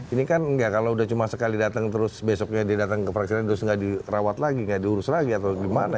ini kan enggak kalau udah cuma sekali datang terus besoknya dia datang ke fraksi terus nggak dirawat lagi nggak diurus lagi atau gimana